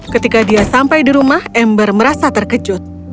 ketika dia sampai di rumah ember merasa terkejut